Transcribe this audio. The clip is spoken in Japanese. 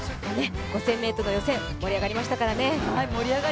５０００ｍの予選、盛り上がりましたからね。